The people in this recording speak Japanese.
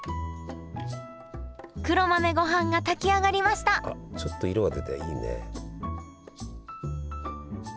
黒豆ごはんが炊き上がりましたあっちょっと色が出ていいね。